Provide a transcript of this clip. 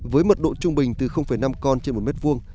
với mật độ trung bình từ năm con trên một mét vuông